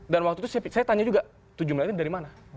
dan waktu itu saya tanya juga tujuh miliar itu dari mana